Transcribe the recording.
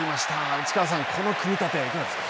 内川さん、この組み立ていかがですか。